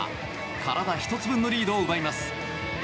体１つ分のリードを奪います。